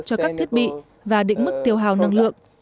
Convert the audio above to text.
cho các thiết bị và định mức tiêu hào năng lượng